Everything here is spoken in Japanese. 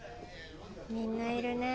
みんないるね。